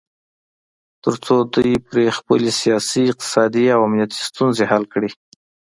تر څو دوی پرې خپلې سیاسي، اقتصادي او امنیتي ستونځې حل کړي